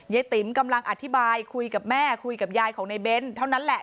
ติ๋มกำลังอธิบายคุยกับแม่คุยกับยายของในเบ้นเท่านั้นแหละ